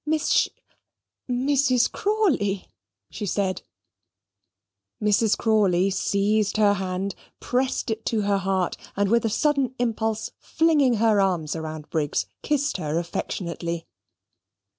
"Miss Sh Mrs. Crawley," she said. Mrs. Crawley seized her hand, pressed it to her heart, and with a sudden impulse, flinging her arms round Briggs, kissed her affectionately.